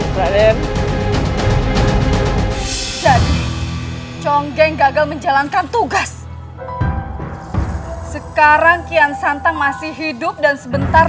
klem jadi conggeng gagal menjalankan tugas sekarang kian santang masih hidup dan sebentar